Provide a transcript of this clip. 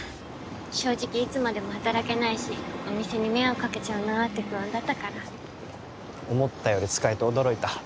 正直いつまでも働けないしお店に迷惑かけちゃうなって不安だったから思ったより使えて驚いた？